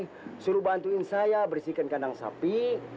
disuruh bantuin saya bersihkan kandang sapi